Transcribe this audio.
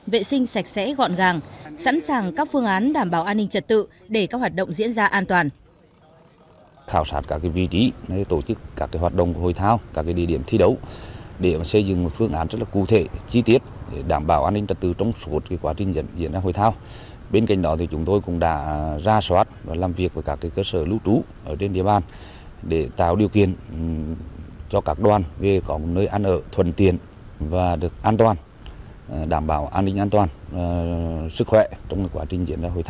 vệ sinh sạch sẽ gọn gàng sẵn sàng các phương án đảm bảo an ninh trật tự để các hoạt động diễn ra an toàn